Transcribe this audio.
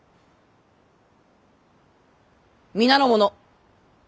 皆の者